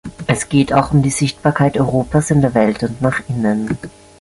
Es geht auch um die Sichtbarkeit Europas in der Welt und nach innen.